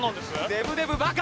デブデブバカ！